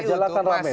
di majalakan rame